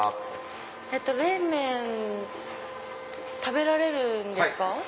冷麺食べられるんですか？